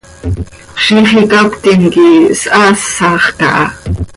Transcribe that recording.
Ziix icacötim quih shaasax caha.